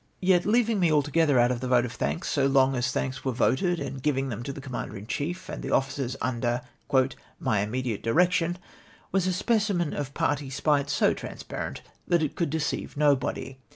Yet, leaving me altogether out of the vote of thanks, so Ions as thanks were voted, and o ivino them to the Commander in chief and the officers under " my im mediate direction," was a specimen of party spite so transparent that it could deceive nobody.